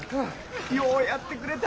ようやってくれた！